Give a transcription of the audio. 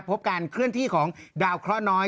พบการเคลื่อนที่ของดาวเคราะห์น้อย